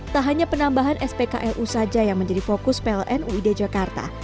tak hanya penambahan spklu saja yang menjadi fokus pln uid jakarta